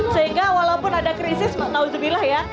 sehingga walaupun ada krisis naudzubillah ya